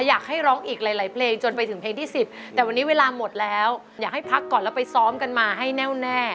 อยากให้ร้องอีกหลายเพลงจนไปถึงเพลงที่สิบแต่วันนี้เวลาหมดแล้วอยากให้พักก่อนแล้วไปซ้อมกันมาให้แน่วแน่